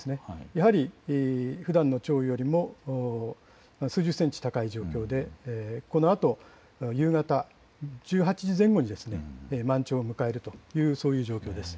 やはりふだんの潮位よりも数十センチ高い状況で、このあと夕方、１８時前後に満潮を迎えるという状況です。